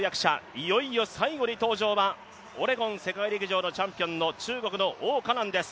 いよいよ最後に登場はオレゴン世界陸上のチャンピオンの中国の王嘉男です。